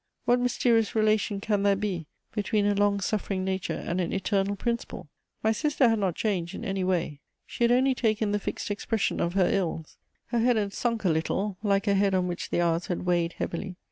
What mysterious relation can there be between a long suffering nature and an eternal principle? My sister had not changed in any way; she had only taken the fixed expression of her ills: her head had sunk a little, like a head on which the hours had weighed heavily.